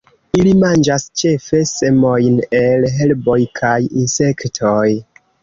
Ili manĝas ĉefe semojn el herboj kaj insektoj.